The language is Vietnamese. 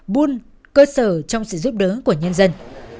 buôn cơ sở trong sự giúp đỡ của nhân dân